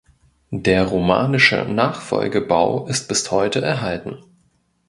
Der romanische Nachfolgebau ist bis heute erhalten.